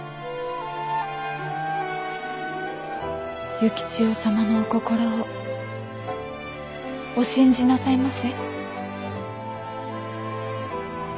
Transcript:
幸千代様のお心をお信じなさいませ。